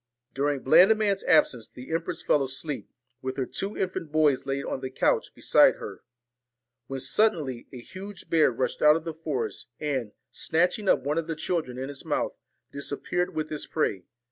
During Blandiman's absence the empress fell asleep, with her two infant boys laid on the couch beside her, when suddenly a huge bear rushed out of the forest, and, snatching up one of the children in its mouth, disappeared with its prey.